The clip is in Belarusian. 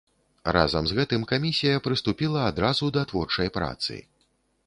Разам з гэтым камісія прыступіла адразу да творчай працы.